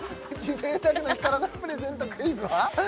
贅沢の日からのプレゼントクイズは？